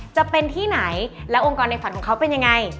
จะเป็นที่ไหนและองค์กรในฝันของเขาเป็นยังไง